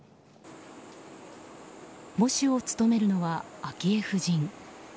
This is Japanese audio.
喪主を務めるのは昭恵夫人。